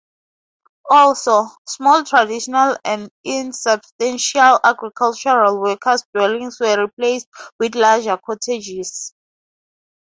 Also, small traditional and "insubstantial agricultural workers dwellings were replaced with larger cottages".